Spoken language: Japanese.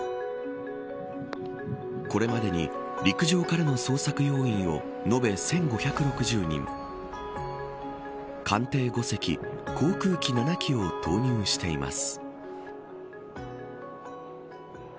これまでに陸上からの捜索要員を延べ１５６０人艦艇５隻、航空機７機を投入しています。